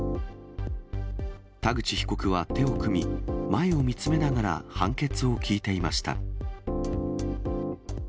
田口被告は手を組み、前を見つめながら判決を聞いていました。